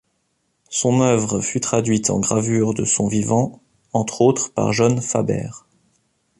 Son œuvre fut traduite en gravure de son vivant, entre autres par John Faber.